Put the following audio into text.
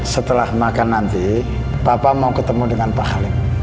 setelah makan nanti bapak mau ketemu dengan pak halim